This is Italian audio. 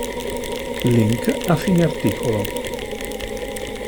Link a fine articolo.